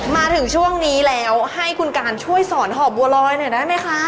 มาถึงช่วงนี้แล้วให้คุณการช่วยสอนหอบบัวลอยหน่อยได้ไหมคะ